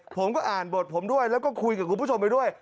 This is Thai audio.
ผมก็อ่านบทผมด้วยแล้วก็คุยกับคุณผู้ชมไปด้วย